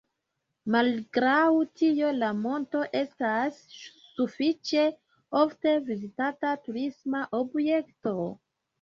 Malgraŭ tio la monto estas sufiĉe ofte vizitata turisma objekto.